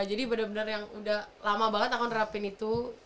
jadi bener bener yang udah lama banget aku nerapin itu